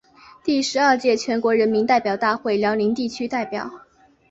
第十二届全国人民代表大会辽宁地区代表。